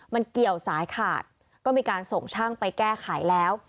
มันเกี่ยวสายขาดก็มีการส่งช่างไปแก้ไขแล้ว